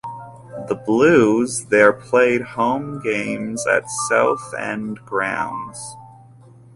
The Blues their played home games at South End Grounds.